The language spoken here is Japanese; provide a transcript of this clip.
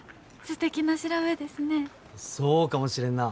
そうかもしれんなあ。